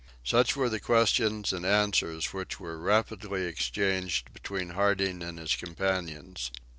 Such were the questions and answers which were rapidly exchanged between Harding and his companions.